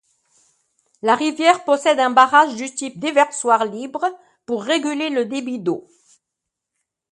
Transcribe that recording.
La rivière possède un barrage du type déversoir libre pour réguler le débit d'eau.